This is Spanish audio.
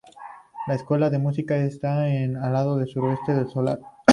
La Escuela de Música está en el lado sureste del solar.